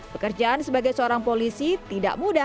pekerjaan sebagai seorang polisi tidak mudah